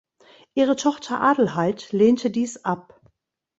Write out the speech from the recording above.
Ihre Tochter Adelheid lehnte dies ab.